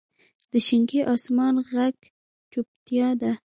د شینکي اسمان ږغ چوپتیا ده.